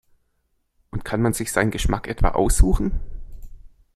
Und kann man sich seinen Geschmack etwa aussuchen?